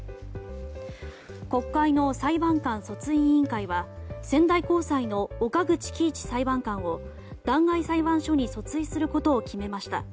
国会の裁判官訴追委員会は仙台高裁の岡口基一裁判官を弾劾裁判所に訴追することを決めました。